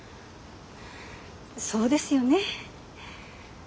そうですよね。